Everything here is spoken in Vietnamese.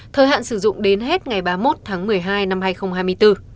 thời hạn sử dụng đến hết ngày ba mươi một tháng một mươi hai năm hai nghìn hai mươi bốn